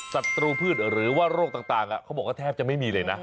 ศัตรูพืชหรือว่าโรคต่างเขาบอกว่าแทบจะไม่มีเลยนะ